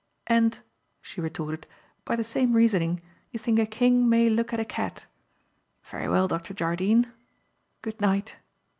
"And," she retorted, "by the same reasoning, you think a king may look at a cat. Very well, Dr. Jardine. Good night."